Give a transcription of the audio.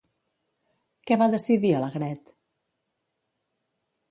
Què va decidir Alegret?